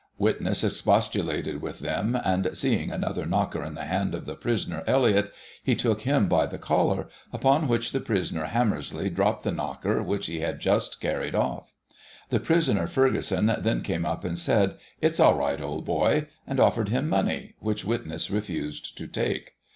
Witness expostulated with them, and, seeing another knocker in the hand of the prisoner Elliott, he took him by the collar, upon which the prisoner Hammersley dropped the knocker which he had just carried off. The prisoner Ferguson then came up, and said, "It's all right, old boy," and offered him money, which witness refused to take.